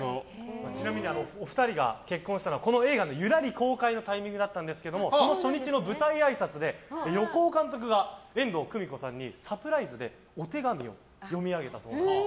ちなみにお二人が結婚したのはこの映画の「ゆらり」公開のタイミングだったんですけどもその初日の舞台あいさつで横尾監督が遠藤久美子さんにサプライズでお手紙を読み上げたそうなんです。